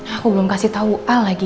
aku belum kasih tau lagi